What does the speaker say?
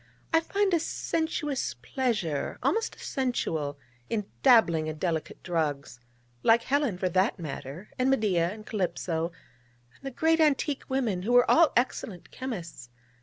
I find a sensuous pleasure, almost a sensual, in dabbling in delicate drugs like Helen, for that matter, and Medea, and Calypso, and the great antique women, who were all excellent chymists.